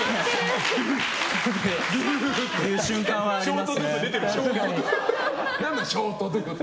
そういう瞬間はありますね。